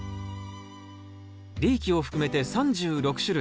リーキを含めて３６種類。